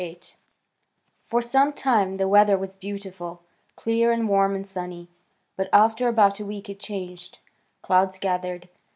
VIII For some time the weather was beautiful, clear and warm and sunny. But after about a week it changed. Clouds gathered.